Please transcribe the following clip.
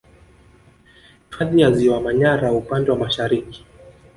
Hifadhi ya ziwa Manyara upande wa Mashariki